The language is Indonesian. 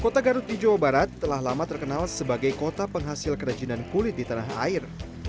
kota garut di jawa barat telah lama terkenal sebagai kota penghasil kerajinan kulit di tanah air